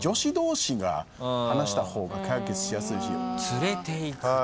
連れていくと。